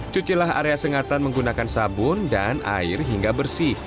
cucilah area sengatan menggunakan sabun dan air hingga bersih